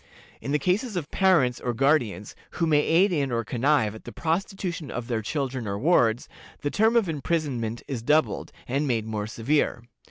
In the cases of parents or guardians who may aid in or connive at the prostitution of their children or wards, the term of imprisonment is doubled, and made more severe.